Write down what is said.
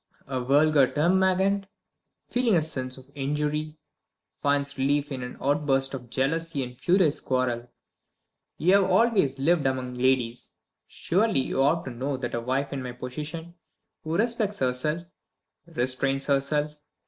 "A vulgar termagant, feeling a sense of injury, finds relief in an outburst of jealousy and a furious quarrel. You have always lived among ladies. Surely you ought to know that a wife in my position, who respects herself, restrains herself.